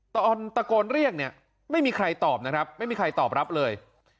ตอนตะโกนเรียกเนี่ยไม่มีใครตอบนะครับไม่มีใครตอบรับเลย